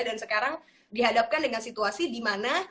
dan sekarang dihadapkan dengan situasi dimana